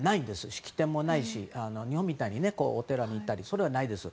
式典もないし、日本みたいにお寺に行ったりとかはないです。